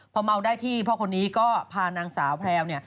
พอเมาได้ที่พ่อคนนี้ก็พานางสาวแพรว